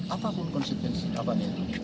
apapun konsistensi apanya